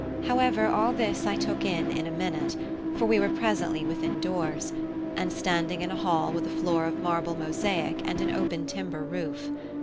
However, all this I took in in a minute; for we were presently within doors, and standing in a hall with a floor of marble mosaic and an open timber roof.